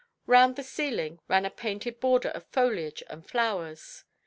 Round the ceiling ran a painted border of foliage and flowers.